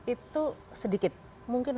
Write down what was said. itu sedikit mungkin